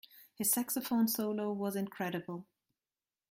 His saxophone solo was incredible.